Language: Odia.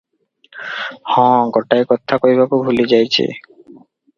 ହଁ, ଗୋଟାଏ କଥା କହିବାକୁ ଭୁଲି ଯାଇଛି ।